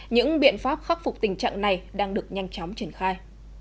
những biện pháp khắc phục tình trạng này đang được nhanh chóng triển khai